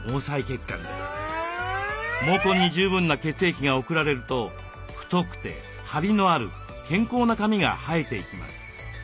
毛根に十分な血液が送られると太くてハリのある健康な髪が生えていきます。